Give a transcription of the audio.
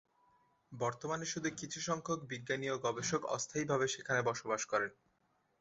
বর্তমানে শুধু কিছুসংখ্যক বিজ্ঞানী ও গবেষক অস্থায়ীভাবে সেখানে বসবাস করেন।